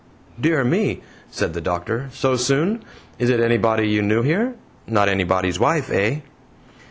"Dear me!" said the doctor, "so soon? Is it anybody you knew here? not anybody's wife? Eh?"